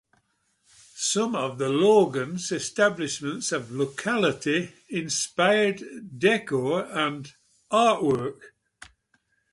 Some of the Logan's establishments have locality-inspired decor and artwork.